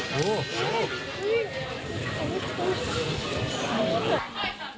แม่สุดลำอยู่แล้ว